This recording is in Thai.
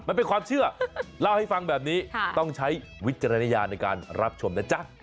มันเป็นความเชื่อเล่าให้ฟังแบบนี้ต้องใช้วิจารณญาณในการรับชมนะจ๊ะ